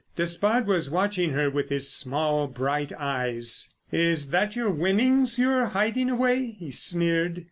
Despard was watching her with his small, bright eyes. "Is that your winnings you're hiding away?" he sneered.